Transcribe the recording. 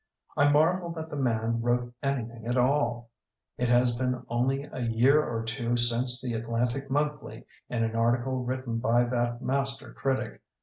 I marvel that the man wrote anything at all. It has been only a year or two since The Atlantic Monthlsr*, in an article written by that master critic.